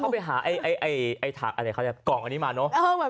แมวฉี่เข้าไปหากล่องแมวมาเนาะ